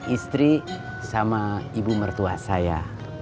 istri sama ibu mertua saya